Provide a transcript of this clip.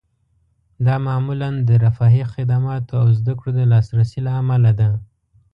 دا معمولاً د رفاهي خدماتو او زده کړو د لاسرسي له امله ده